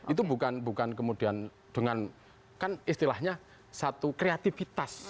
itu bukan kemudian dengan kan istilahnya satu kreativitas